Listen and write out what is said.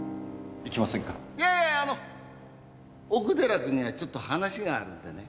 いやあの奥寺君にはちょっと話があるんでね。